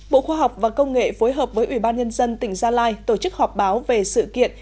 bộ khoa học và công nghệ phối hợp với ủy ban nhân dân tỉnh gia lai tổ chức họp báo về sự kiện